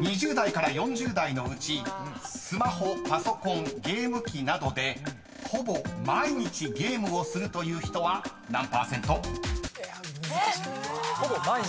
［２０代から４０代のうちスマホパソコンゲーム機などでほぼ毎日ゲームをするという人は何％？］・難しくない？